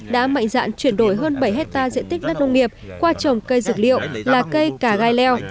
đã mạnh dạn chuyển đổi hơn bảy hectare diện tích đất nông nghiệp qua trồng cây dược liệu là cây cà gai leo